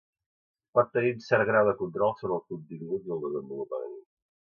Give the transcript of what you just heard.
pot tenir un cert grau de control sobre el contingut i el desenvolupament